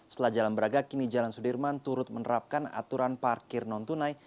setelah jalan braga kini jalan sudirman turut menerapkan aturan parkir non tunai